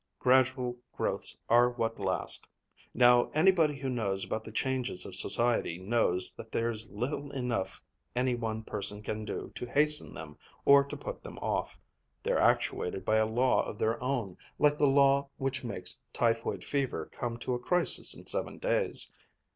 Gradual growths are what last. Now anybody who knows about the changes of society knows that there's little enough any one person can do to hasten them or to put them off. They're actuated by a law of their own, like the law which makes typhoid fever come to a crisis in seven days.